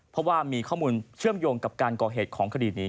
เพราะว่ามีข้อมูลเชื่อมโยงกับการก่อเหตุของคดีนี้